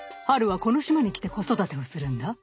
春はこの島に来て子育てをするんだ。